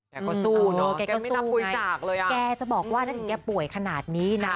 แกก็สู้เนอะแกก็สู้แกจะบอกว่าถ้าถึงแกป่วยขนาดนี้นะ